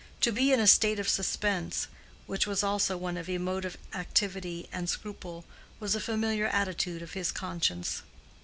To be in a state of suspense, which was also one of emotive activity and scruple, was a familiar attitude of his conscience.